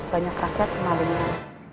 banyak rakyat yang malingnya